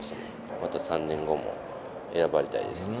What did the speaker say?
また３年後も選ばれたいです。